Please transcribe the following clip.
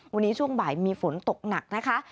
วันนี้ช่วงบ่ายมีฝนตกหนักนะคะ